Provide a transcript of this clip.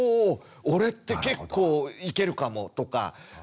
俺って結構いけるかも！」とかなんかね。